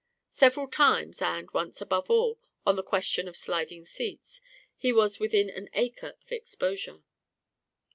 Several times, and, once above all, on the question of sliding seats, he was within an ace of exposure.